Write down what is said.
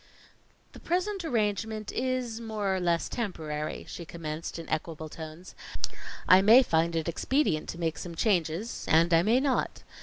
"The present arrangement is more or less temporary," she commenced in equable tones. "I may find it expedient to make some changes, and I may not.